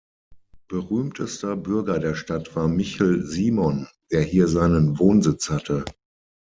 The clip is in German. Berühmtester Bürger der Stadt war Michel Simon, der hier seinen Wohnsitz hatte.